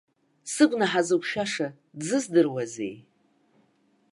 Сыгәнаҳа зықәшәаша, дзыздыруазеи?